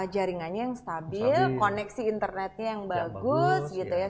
jaringannya yang stabil koneksi internetnya yang bagus gitu ya